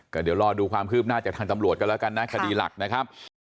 ก็เดี๋ยวรอดูความคืบหน้าจากทางตำรวจกันแล้วกันนะคดีหลักนะครับ